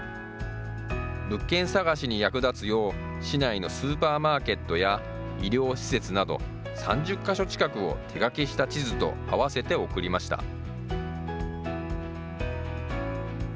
物件探しに役立つよう、市内のスーパーマーケットや医療施設など、３０か所近くを手書きした地図とあわせて送りました。